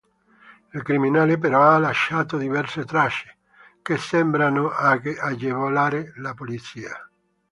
Il criminale però ha lasciato diverse tracce, che sembrano agevolare la polizia.